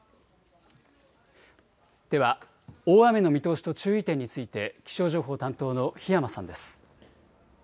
では大雨の見通しと注意点について気象情報担当の檜山さんです。